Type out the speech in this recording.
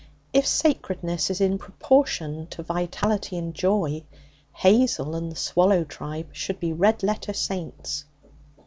If sacredness is in proportion to vitality and joy, Hazel and the swallow tribe should be red letter saints.